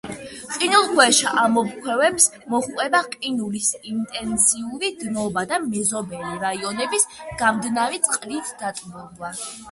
ყინულქვეშა ამოფრქვევებს მოჰყვება ყინულის ინტენსიური დნობა და მეზობელი რაიონების გამდნარი წყლით დატბორვა.